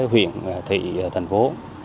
huyện thị thành phố